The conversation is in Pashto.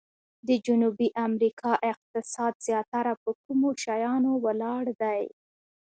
د جنوبي امریکا اقتصاد زیاتره په کومو شیانو ولاړ دی؟